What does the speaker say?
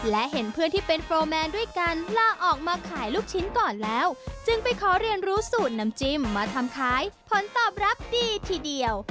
และเห็นเพื่อนที่เป็นโปรแมนด้วยการลาออกมาขายลูกชิ้นก่อนแล้วจึงไปขอเรียนรู้สูตรน้ำจิ้มมาทำขายผลตอบรับดีทีเดียว